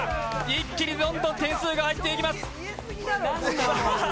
一気に点数が入っていきます。